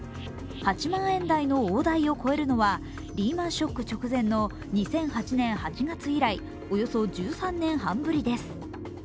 ８万円台の大台を超えるのはリーマン・ショック直前の２００８年８月以来、およそ１３年半ぶりです。